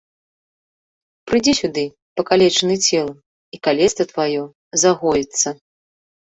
Прыйдзі сюды, пакалечаны целам, і калецтва тваё загоіцца!